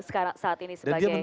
karena saat ini sebagai